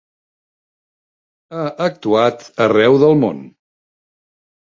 Ha actuat arreu del món.